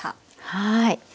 はい。